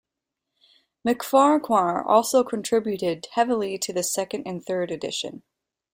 Macfarquhar also contributed heavily to the second and third edition.